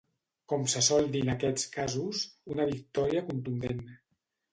Com se sol dir en aquests casos, una victòria contundent.